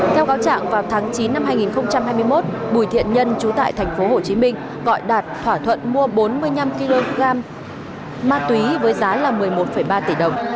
theo cáo trạng vào tháng chín năm hai nghìn hai mươi một bùi thiện nhân trú tại tp hcm gọi đạt thỏa thuận mua bốn mươi năm kg ma túy với giá là một mươi một ba tỷ đồng